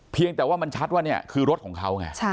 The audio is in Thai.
เพียงแต่ว่ามันชัดว่าคือรถของเขา